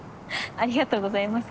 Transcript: ありがとうございます。